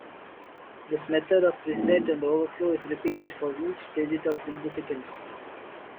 This method of reset and overflow is repeated for each digit of significance.